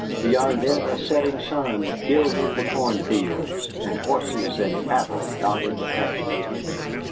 Beyond it a setting sun gilded the corn fields, and horses and cattle dotted the pastures.